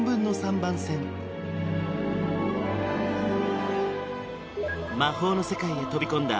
番線魔法の世界へ飛び込んだ